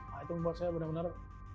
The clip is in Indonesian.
nah itu membuat saya benar benar